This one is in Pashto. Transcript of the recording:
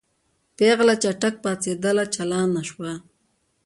پېغله چټک پاڅېدله چالانه شوه.